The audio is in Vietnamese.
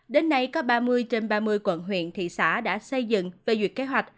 đến nay có ba mươi trên ba mươi quận huyện thị xã đã xây dựng phê duyệt kế hoạch